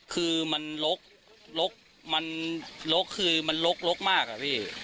คือมันลกลกลกคือมันลกลกมากค่ะพี่